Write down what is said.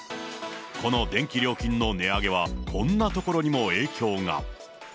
この電気料金の値上げは、こんなところにも影響が。